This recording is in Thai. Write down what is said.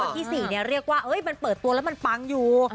ที่๔เรียกว่ามันเปิดตัวแล้วมันปังอยู่